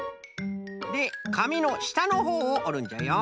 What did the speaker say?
でかみのしたのほうをおるんじゃよ。